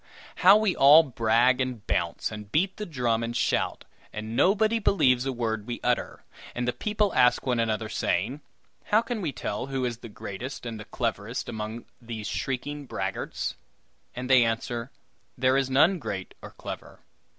How we all brag and bounce, and beat the drum and shout; and nobody believes a word we utter; and the people ask one another, saying: "How can we tell who is the greatest and the cleverest among all these shrieking braggarts?" And they answer: "There is none great or clever.